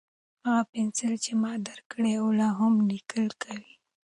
هغه پنسل چې ما درکړی و، لا هم لیکل کوي؟